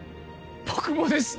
僕もです